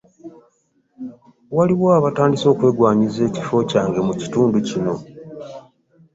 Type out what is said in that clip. Waliwo abatandise okwegwanyisa ekifo kyange mu kitundu kino.